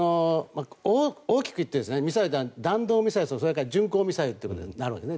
大きくいって弾道ミサイルとそれから巡航ミサイルということになるわけです。